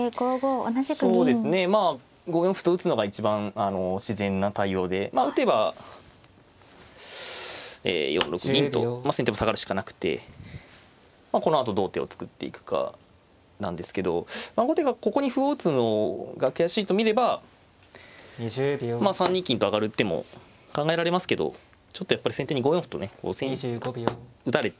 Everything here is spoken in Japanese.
そうですねまあ５四歩と打つのが一番自然な対応でまあ打てば４六銀と先手も下がるしかなくてこのあとどう手を作っていくかなんですけど後手がここに歩を打つのが悔しいと見れば３二金と上がる手も考えられますけどちょっとやっぱり先手に５四歩とね打たれて。